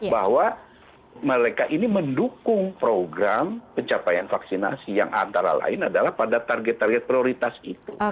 bahwa mereka ini mendukung program pencapaian vaksinasi yang antara lain adalah pada target target prioritas itu